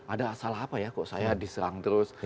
ada salah apa ya kok saya diserang terus